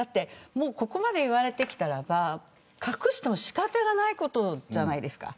ここまで言われてきたら隠しても仕方がないことじゃないですか。